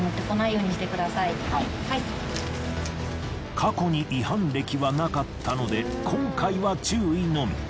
過去に違反歴はなかったので今回は注意のみ。